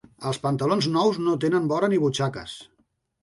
Els pantalons nous no tenen vora ni butxaques.